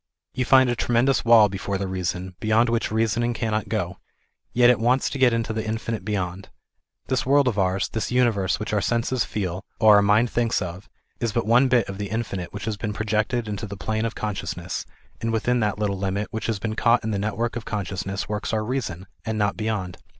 You find a tremendous wall before the reason, beyond which reasoning cannot go ; yet it wants to get into the infinite beyond. This world of ours, this universe which our senses feel, or our mind thinks of, is but one bit of the infinite which has been projected into the plane of conciousness, and within that little limit which has been caught in the network of consciousness works our reason, and not beyond.